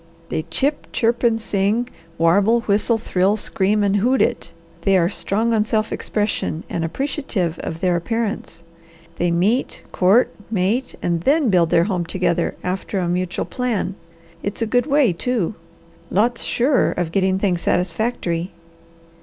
They chip, chirp, and sing, warble, whistle, thrill, scream, and hoot it. They are strong on self expression, and appreciative of their appearance. They meet, court, mate, and THEN build their home together after a mutual plan. It's a good way, too! Lots surer of getting things satisfactory."